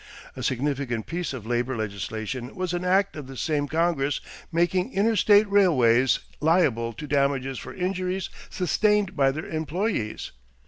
A significant piece of labor legislation was an act of the same Congress making interstate railways liable to damages for injuries sustained by their employees.